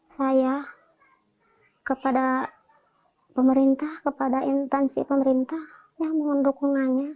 saya kepada pemerintah kepada intansi pemerintah ya mohon dukungannya